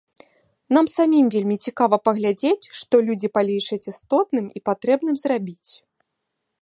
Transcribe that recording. Нам самім вельмі цікава паглядзець, што людзі палічаць істотным і патрэбным зрабіць.